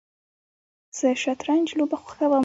زه شطرنج لوبه خوښوم